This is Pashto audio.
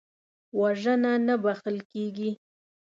وژنه نه بخښل کېږي